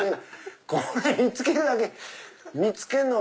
これ見つけるだけ見つけるのが。